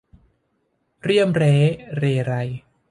เรี่ยมเร้เรไร